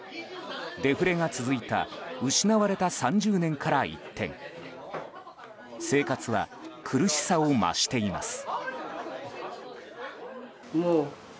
デフレが続いた失われた３０年から一転生活は苦しさを増しています。